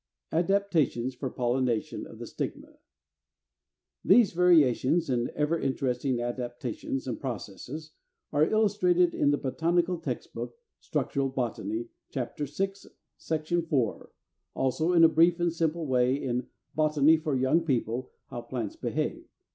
§ 1. ADAPTATIONS FOR POLLINATION OF THE STIGMA. 329. These various and ever interesting adaptations and processes are illustrated in the "Botanical Text Book, Structural Botany," chap. VI. sect. iv., also in a brief and simple way in "Botany for Young People, How Plants Behave."